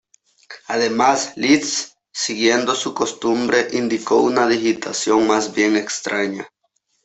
Además, Liszt, siguiendo su costumbre, indicó una digitación más bien extraña.